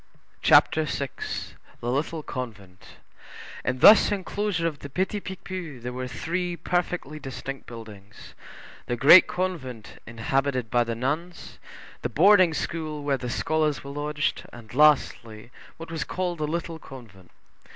CHAPTER VI—THE LITTLE CONVENT In this enclosure of the Petit Picpus there were three perfectly distinct buildings,—the Great Convent, inhabited by the nuns, the Boarding school, where the scholars were lodged; and lastly, what was called the Little Convent.